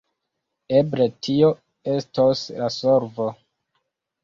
Eble tio estos la solvo.